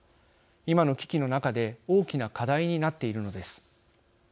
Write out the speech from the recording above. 今の危機の中で大きな課題になっているのです。